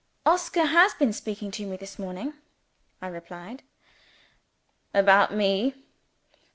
"Oscar has been speaking to me this morning," I replied. "About me?"